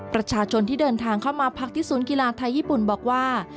ประชาชนที่เดินทางเข้ามาพักที่ศูนย์กีฬาไทยญี่ปุ่นบอกว่า